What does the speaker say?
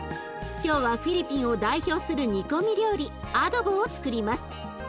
今日はフィリピンを代表する煮込み料理アドボをつくります。